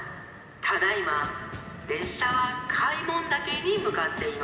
ただいまれっしゃは開聞岳にむかっています。